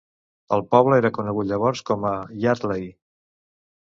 El poble era conegut llavors com a Yardley.